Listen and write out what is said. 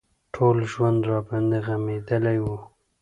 ټول ژوند راباندې غمېدلى و.